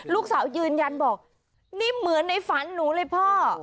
ยืนยันบอกนี่เหมือนในฝันหนูเลยพ่อ